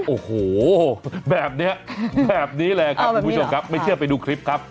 โอ้โหแบบนี้แบบนี้เลยครับคุณผู้ชมครับไม่เชื่อไปดูคลิปครับ